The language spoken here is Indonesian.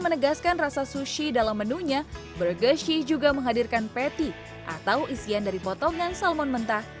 bergeshi juga menghadirkan patty atau isian dari potongan salmon mentah